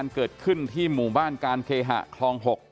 เกิดขึ้นที่หมู่บ้านการเคหะคลอง๖